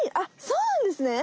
そうなんですね。